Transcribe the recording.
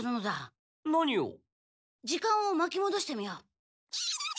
時間をまきもどしてみよう。